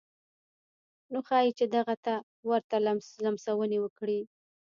نو ښايي چې دغه ته ورته لمسونې وکړي.